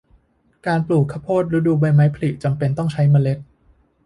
การปลูกข้าวโพดฤดูใบไม้ผลิจำเป็นต้องใช้เมล็ด